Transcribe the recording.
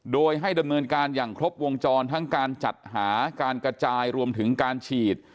โดยให้ดำเนินการอย่างครบวงจรทั้งการจัดหาการกระจายรวมถึงการฉีด